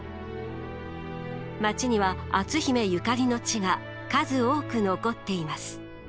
街には篤姫ゆかりの地が数多く残っています。